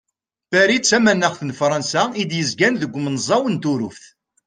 Paris d tamanaxt n Frans i d-yezgan deg umenẓaw n Turuft.